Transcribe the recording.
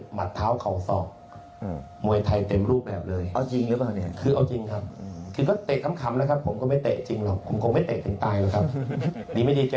ผมไม่ได้กดแค้นเลยครับเพราะเดี๋ยวกับคนนั้นได้พูดเรื่องสติเลย